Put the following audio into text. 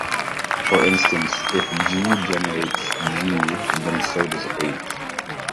For instance, if "g" generates "G", then so does "h".